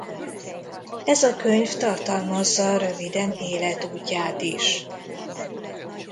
Ez a könyv tartalmazza röviden életútját is.